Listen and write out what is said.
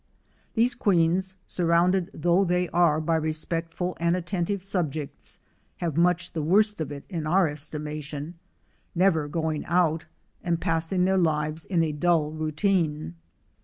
These queens, surrounded though they are by respectful and attentive subjects, have much the worst of it in our estimation, never going out, and passing their lives in a dull routine.